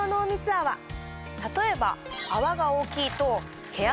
例えば。